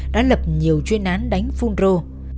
đã lập nhiều chuyên án đánh phun rô